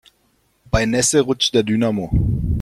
Bei Nässe rutscht der Dynamo.